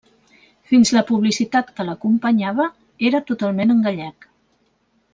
Fins a la publicitat que l'acompanyava era totalment en gallec.